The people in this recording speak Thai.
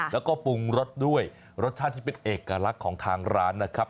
แล้วก็ปรุงรสด้วยรสชาติที่เป็นเอกลักษณ์ของทางร้านนะครับ